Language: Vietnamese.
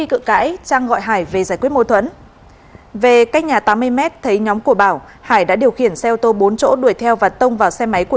dù cuộc sống đã có nhiều đổi thay